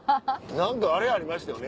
何かあれありましたよね。